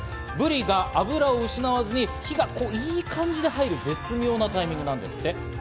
ブリが脂を失わずに火がいい感じで入る絶妙なタイミングなんですって。